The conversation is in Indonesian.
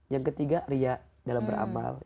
yang ketiga ria dalam beramal